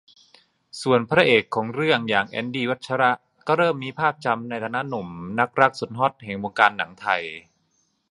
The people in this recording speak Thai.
ส่วนพระเอกของเรื่องอย่าง แอนดี้ วัชระ ก็เริ่มมีภาพจำในฐานะหนุ่มนักรักสุดฮอตแห่งวงการหนังไทย